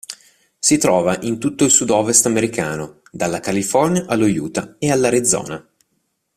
Si trova in tutto il sud-ovest americano, dalla California allo Utah e all'Arizona.